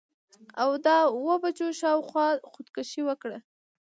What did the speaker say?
او د اووه بجو شا او خوا خودکشي وکړه.